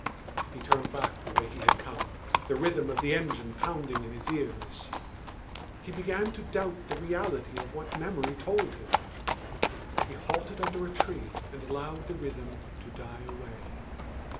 He turned back the way he had come, the rhythm of the engine pounding in his ears. He began to doubt the reality of what memory told him. He halted under a tree and allowed the rhythm to die away.